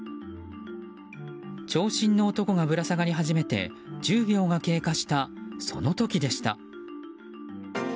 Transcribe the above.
長身の男がぶら下がり始めて１０秒が経過したその時でした。